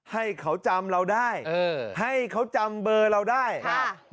ให้เขาจำเราได้เออให้เขาจำเบอร์เราได้ครับ